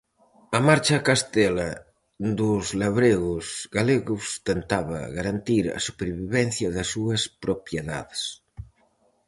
A marcha a Castela dos labregos galegos tentaba garantir a supervivencia das súas propiedades.